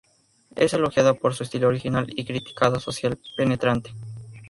Es elogiada por su estilo original y crítica social penetrante.